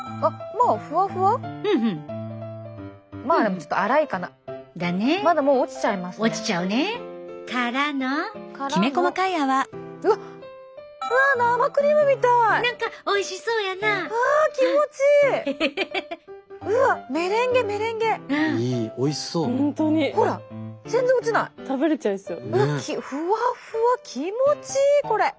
うわふわふわ気持ちいいこれ。